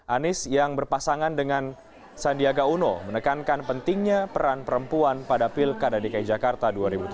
anies yang berpasangan dengan sandiaga uno menekankan pentingnya peran perempuan pada pilkada dki jakarta dua ribu tujuh belas